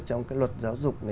trong cái luật giáo dục